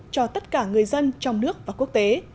cho tất cả người dân trong nước và quốc tế